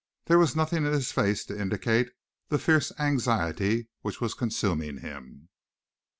There was nothing in his face to indicate the fierce anxiety which was consuming him.